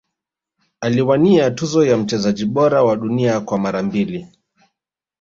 aliwania tuzo ya mchezaji bora wa dunia kwa mara mbili